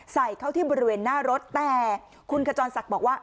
ใส่เข้าที่บริเวณหน้ารถแต่คุณขจรศักดิ์บอกว่า